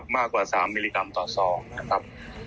มากกว่า๓มิลลิกรัมต่อซองนะครับ